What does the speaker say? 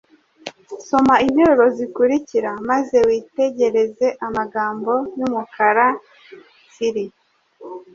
Soma interuro zikurikira maze witegereze amagambo y’umukara tsiri,